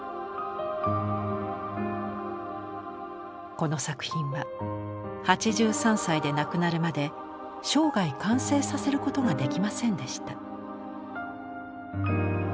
この作品は８３歳で亡くなるまで生涯完成させることができませんでした。